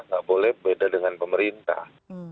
nggak boleh beda dengan pemerintah